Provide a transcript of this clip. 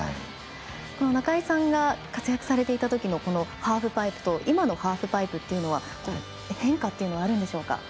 中井さんが活躍されていたときのハーフパイプと今のハーフパイプは変化があるんでしょうか。